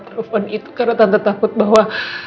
telepon itu karena tanda takut bahwa